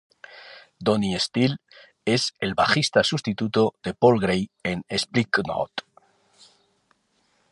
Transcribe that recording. Donnie Steele es el bajista sustituto de Paul Gray en Slipknot.